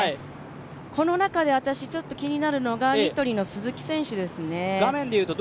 この中で、気になるのがニトリの鈴木選手ですね。